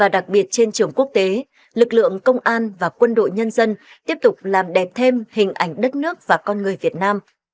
đặc biệt trên trường quốc tế lực lượng công an và quân đội nhân dân tiếp tục làm đẹp thêm hình ảnh đất nước và con người việt nam